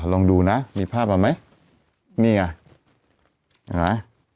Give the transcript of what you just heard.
ลองดูนะมีภาพอ่ะไหมนี่อ่ะอ่า